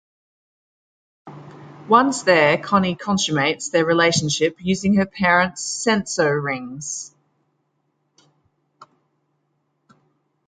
Once there Connie consummates their relationship using her parents "senso-rings".